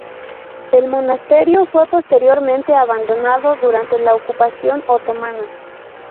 El monasterio fue posteriormente abandonado durante la ocupación otomana.